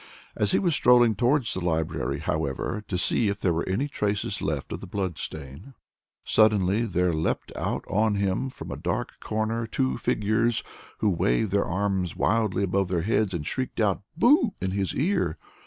As he was strolling towards the library, however, to see if there were any traces left of the blood stain, suddenly there leaped out on him from a dark corner two figures, who waved their arms wildly above their heads, and shrieked out "BOO!" in his ear.